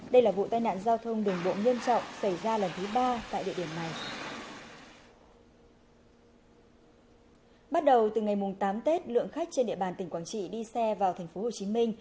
đây là vụ tai nạn giao thông đường bộ nghiêm trọng xảy ra lần thứ ba tại địa điểm này